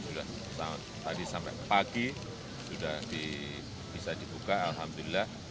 bulan tadi sampai pagi sudah bisa dibuka alhamdulillah